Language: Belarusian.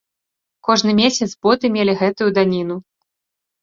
Кожны месяц боты мелі гэтую даніну.